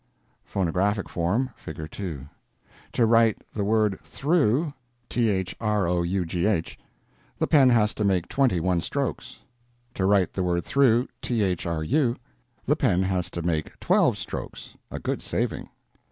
PHONOGRAPHIC FORM: (Figure 2) To write the word "through," the pen has to make twenty one strokes. To write the word "thru," the pen has to make twelve strokes—a good saving.